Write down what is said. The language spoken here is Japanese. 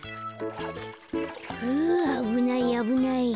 ふうあぶないあぶない。